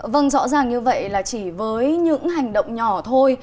vâng rõ ràng như vậy là chỉ với những hành động nhỏ thôi